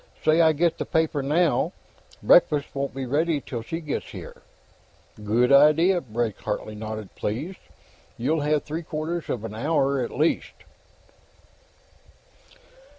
"Say I get the paper now; breakfast won't be ready till she gets here." "Good idea." Blake Hartley nodded, pleased. "You'll have three quarters of an hour, at least."